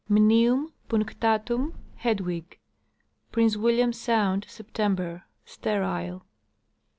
Mnium punctatum., Hedw. Prince William sound, September. Sterile.